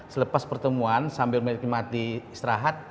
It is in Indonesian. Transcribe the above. selepas pertemuan sambil menikmati istirahat